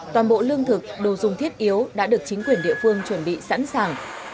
toàn bộ lương thực đồ dùng thiết yếu đã được chính quyền địa phương chuẩn bị sẵn sàng